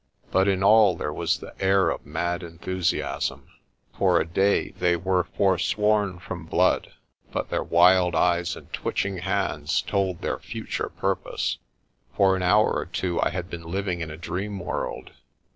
But in all there was the air of mad enthusiasm. For a day they were forsworn from blood, but their wild eyes and twitching hands told their future purpose. For an hour or two I had been living in a dream world.